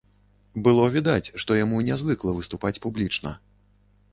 Было відаць, што яму нязвыкла выступаць публічна.